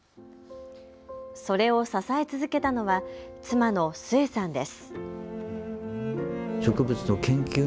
それを支え続けたのは妻の寿衛さんです。